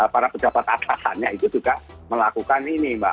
para pejabat atasannya itu juga melakukan ini mbak